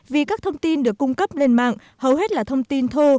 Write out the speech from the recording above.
vì các thông tin được cung cấp lên mạng hầu hết là thông tin thuê